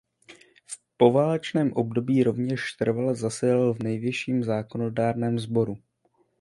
V poválečném období rovněž trvale zasedal v nejvyšším zákonodárném sboru.